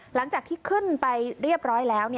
หลังจากที่ขึ้นไปเรียบร้อยแล้ว